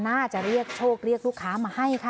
น่าจะเรียกโชคเรียกลูกค้ามาให้ค่ะ